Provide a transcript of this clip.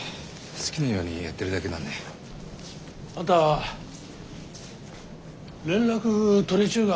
好きなようにやってるだけなんで。あんた連絡取れちゅうが？